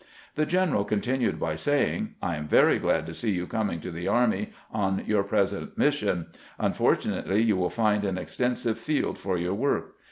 The general continued by saying :" I am very glad to see you coming to the army on your present mission ; unfortunately, you will find an extensive field for your work.